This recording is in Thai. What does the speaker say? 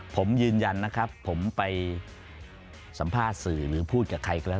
ผมยืนยันนะครับผมไปสัมภาษณ์สื่อหรือพูดกับใครก็แล้ว